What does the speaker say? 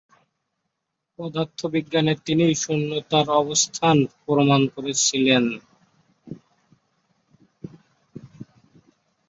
পদার্থ বিজ্ঞানে তিনিই 'শূন্যতা'-র অবস্থান প্রমাণ করেছিলেন।